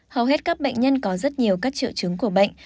hầu hết các bệnh nhân có rất nhiều các triệu chứng của bệnh